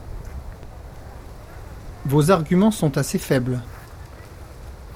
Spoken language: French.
Vos arguments sont assez faibles.